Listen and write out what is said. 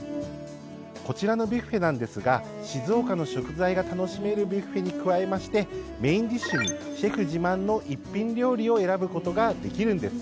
こちらのビュッフェなんですが静岡の食材が楽しめるビュッフェに加えましてメインディッシュにシェフ自慢の一品料理を選ぶことができるんです。